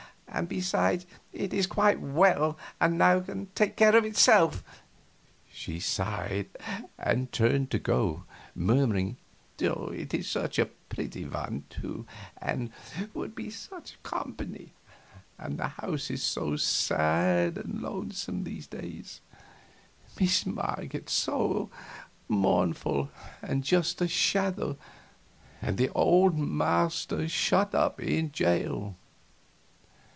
And, besides, it is quite well now and can take care of itself." She sighed, and turned to go, murmuring: "It is such a pretty one, too, and would be such company and the house is so sad and lonesome these troubled days ... Miss Marget so mournful and just a shadow, and the old master shut up in jail."